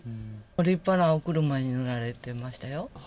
立派なお車に乗られてましたよ。